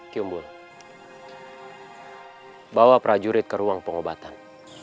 kimbul bawa prajurit ke ruang pengobatan